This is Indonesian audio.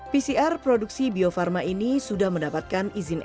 pcr produksi bio farma ini sudah mendapatkan izin